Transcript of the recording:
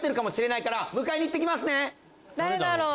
誰だろう？